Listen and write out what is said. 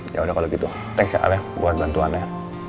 ya udah kalau gitu thanks ya al ya buat bantuan ya